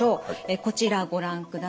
こちらご覧ください。